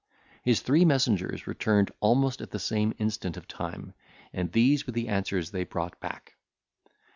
His three messengers returned almost at the same instant of time, and these were the answers they brought back.